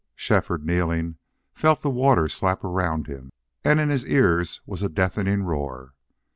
Shefford, kneeling, felt the water slap around him, and in his ears was a deafening roar.